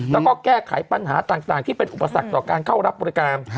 แล้วก็แก้ไขปัญหาต่างที่เป็นอุปสรรคต่อการเข้ารับบริการ